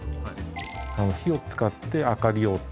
火を使って明かりをつけたい。